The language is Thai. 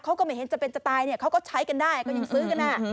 เขาก็ไม่เห็นจะเป็นจะตายเนี่ยเขาก็ใช้กันได้ก็ยังซื้อกัน